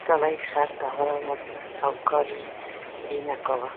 سړي خر ته ارام ورکړ او کار یې پرې نه کاوه.